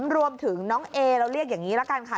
รวมถึงน้องเอเราเรียกอย่างนี้ละกันค่ะ